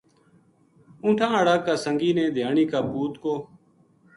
اونٹھا ں ہاڑا کا سنگی نے دھیانی کا پوت کو